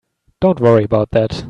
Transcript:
Don't worry about that.